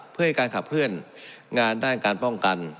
เพื่อให้การขับเคลื่อนงานด้านการป้องกัน